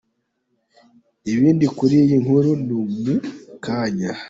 Ibindi kuri iyi nkuru ni mu kanya.